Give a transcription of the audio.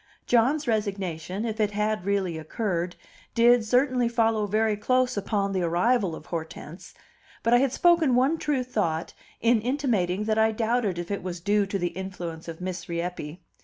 John's resignation, if it had really occurred, did certainly follow very close upon the arrival of Hortense; but I had spoken one true thought in intimating that I doubted if it was due to the influence of Miss Rieppe.